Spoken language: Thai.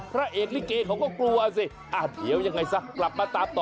ข้างคือฮองเฮา